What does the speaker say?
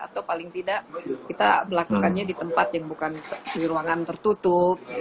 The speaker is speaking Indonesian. atau paling tidak kita melakukannya di tempat yang bukan di ruangan tertutup